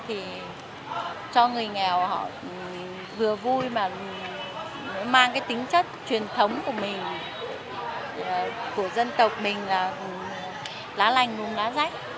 và cho người nghèo họ vừa vui mà mang cái tính chất truyền thống của mình của dân tộc mình là lá lành luôn lá rách